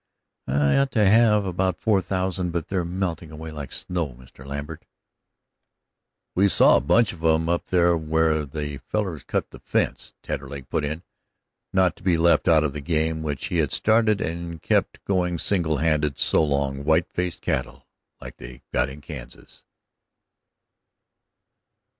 "I ought to have about four thousand, but they're melting away like snow, Mr. Lambert." "We saw a bunch of 'em up there where them fellers cut the fence," Taterleg put in, not to be left out of the game which he had started and kept going single handed so long; "white faced cattle, like they've got in Kansas."